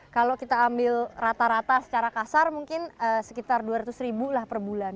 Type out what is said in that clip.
kalau kita ambil rata rata secara kasar mungkin sekitar dua ratus ribu lah per bulan